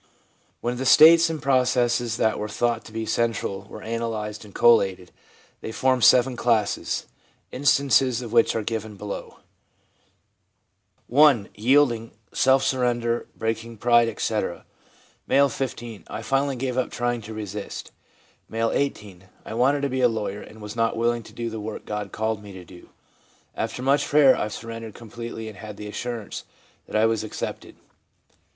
When the states and processes that were thought to be central were analysed and collated, they formed seven classes, instances of which are given below :— I. Yielding, self surrender, breaking pride, etc. — 90 IN WHAT CONVERSION CONSISTS 91 M., 15. 'I finally gave up trying to resist.' M., 18. 'I wanted to be a lawyer, and was not willing to do the work God called me to do. After much prayer I surrendered completely, and had the assurance that I was accepted.'